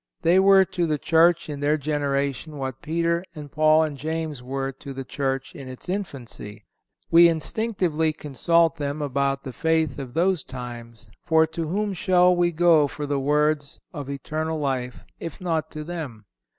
They were to the Church in their generation what Peter and Paul and James were to the Church in its infancy. We instinctively consult them about the faith of those times; for, to whom shall we go for the Words of eternal life, if not to them?